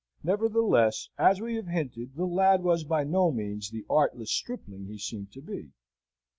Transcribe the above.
Nevertheless, as we have hinted, the lad was by no means the artless stripling he seemed to be.